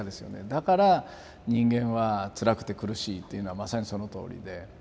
だから人間はつらくて苦しいっていうのはまさにそのとおりで。